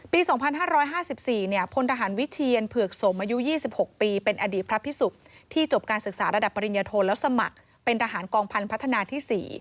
ปี๒๕๕๔พลทหารวิเชียนเผือกสมอายุ๒๖ปีเป็นอดีตพระพิสุกที่จบการศึกษาระดับปริญญโทแล้วสมัครเป็นทหารกองพันธนาที่๔